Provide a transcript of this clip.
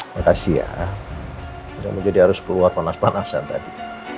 makasih ya jangan jadi harus keluar panas panasan tadi